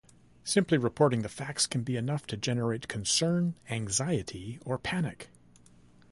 Simply reporting the facts can be enough to generate concern, anxiety, or panic.